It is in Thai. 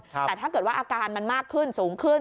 แต่ถ้าเกิดว่าอาการมันมากขึ้นสูงขึ้น